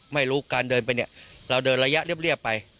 ไม่รู้การเดินไปเนี่ยเราเดินระยะเรียบไป